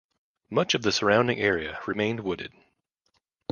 Much of the surrounding area remained wooded.